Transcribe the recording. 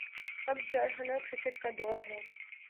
اب جارحانہ کرکٹ کا دور ہے۔